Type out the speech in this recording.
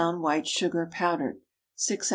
white sugar (powdered.) 6 oz.